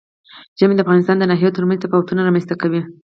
ژمی د افغانستان د ناحیو ترمنځ تفاوتونه رامنځ ته کوي.